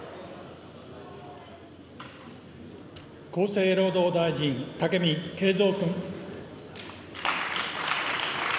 厚生労働大臣、武見敬三君。